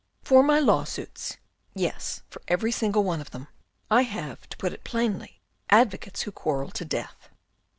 " For my lawsuits, yes, for every single one of them, I have, to put it plainly, advocates who quarrel to death.